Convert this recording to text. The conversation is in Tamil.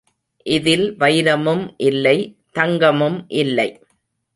இதில் வைரமும் இல்லை தங்கமும் இல்லை.